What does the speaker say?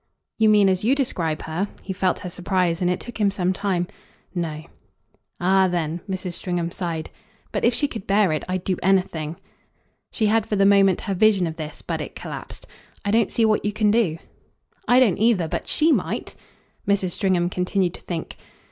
"You mean as you describe her?" He felt her surprise, and it took him some time. "No." "Ah then!" Mrs. Stringham sighed. "But if she could bear it I'd do anything." She had for the moment her vision of this, but it collapsed. "I don't see what you can do." "I don't either. But SHE might." Mrs. Stringham continued to think.